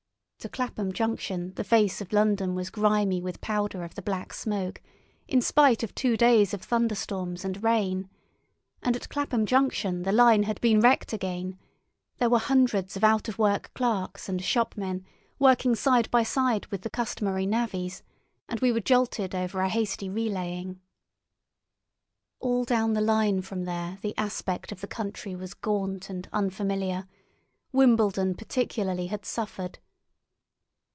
To Clapham Junction the face of London was grimy with powder of the Black Smoke, in spite of two days of thunderstorms and rain, and at Clapham Junction the line had been wrecked again; there were hundreds of out of work clerks and shopmen working side by side with the customary navvies, and we were jolted over a hasty relaying. All down the line from there the aspect of the country was gaunt and unfamiliar; Wimbledon particularly had suffered.